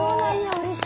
うれしい！